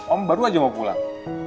om baru aja mau pulang